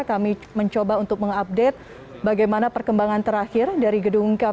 kami mencoba untuk mengupdate bagaimana perkembangan terakhir dari gedung kpk